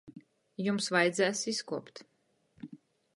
Jums vajadzēs izkuopt!